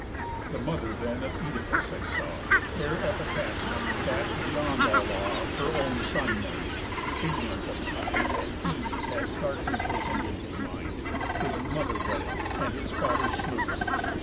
The mother then of Œdipus I saw, Fair Epicasta, that, beyond all law, Her own son married, ignorant of kind. And he, as darkly taken in his mind, His mother wedded, and his father slew.